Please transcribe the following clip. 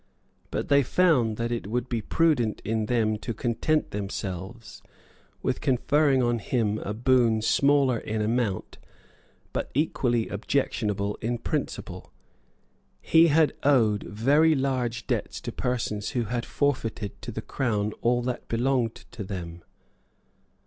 But they found that it would be prudent in them to content themselves with conferring on him a boon smaller in amount, but equally objectionable in principle. He had owed very large debts to persons who had forfeited to the Crown all that belonged to them.